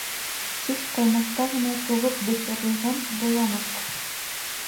Тик ҡаймаҡта ғына туғып бешерелгән боламыҡ.